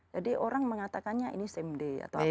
jadi orang mengatakannya ini same day atau apapun ya